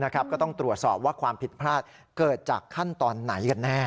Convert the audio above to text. ก็ต้องตรวจสอบว่าความผิดพลาดเกิดจากขั้นตอนไหนกันแน่